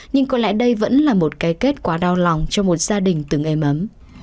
nhưng có lẽ đây vẫn là một cái kết quá đau lòng cho một gia đình từng ê ấm